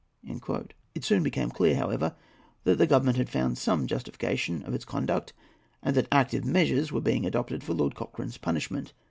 It soon became clear, however, that the Government had found some justification of its conduct, and that active measures were being adopted for Lord Cochrane's punishment.